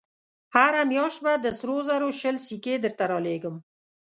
هره مياشت به د سرو زرو شل سيکې درته رالېږم.